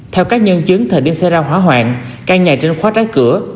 theo các nhân chứng thời điểm xảy ra hỏa hoạn căn nhà trên khóa trái cửa